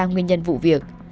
nguyên nhân vụ việc